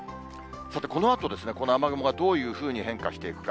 さてこのあと、この雨雲がどういうふうに変化していくか。